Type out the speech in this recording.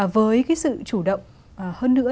với cái sự chủ động hơn nữa